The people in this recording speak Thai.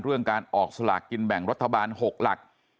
เรื่องการออกสลากกินแบ่งรัฐบาล๖หลัก